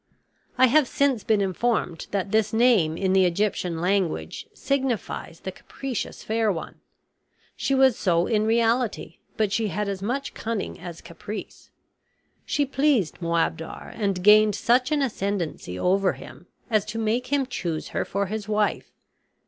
I have since been informed that this name in the Egyptian language signifies the capricious fair one. She was so in reality; but she had as much cunning as caprice. She pleased Moabdar and gained such an ascendancy over him as to make him choose her for his wife.